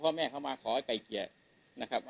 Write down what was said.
พ่อแม่เข้ามาขอให้ไกลเกียร์นะครับมันไม่มีอะไรตอนนั้นเข้าใจ